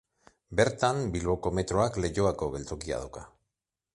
Bertan, Bilboko metroak Leioako geltokia dauka.